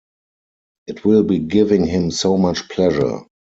It will be giving him so much pleasure!